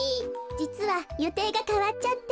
じつはよていがかわっちゃって。